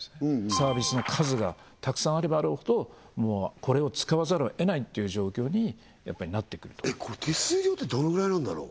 サービスの数がたくさんあればあるほどこれを使わざるをえないっていう状況にやっぱりなってくるとこれ手数料ってどのぐらいなんだろう？